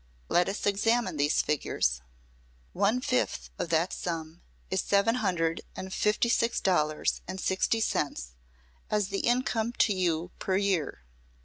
Let us examine these figures. One fifth of that sum is seven hundred and fifty six dollars and sixty cents as the income to you per year.